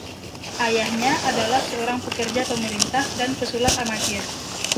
Ayahnya adalah seorang pekerja pemerintah dan pesulap amatir.